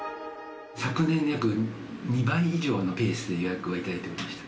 昨年の約２倍以上のペースで予約をいただいておりました。